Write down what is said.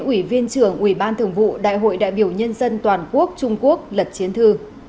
ủy viên trưởng ủy ban thường vụ đại hội đại biểu nhân dân toàn quốc trung quốc lật chiến thư